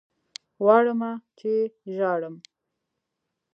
غواړمه چې ژاړم